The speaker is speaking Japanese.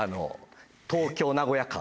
東京−名古屋間。